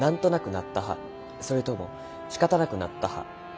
それとも「しかたなくなった派」。